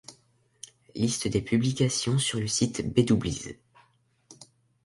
Liste des publications sur le site bdoubliees.